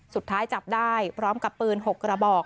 สุดท้ายจับได้พร้อมกับปืน๖กระบอก